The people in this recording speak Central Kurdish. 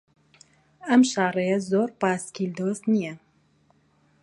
ئەم شاڕێیە زۆر پایسکل دۆست نییە.